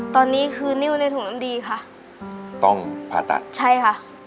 ตอนนี้คือนิ้วในถุงน้ำดีค่ะต้องผ่าตัดใช่ค่ะ